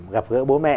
gặp gỡ bố mẹ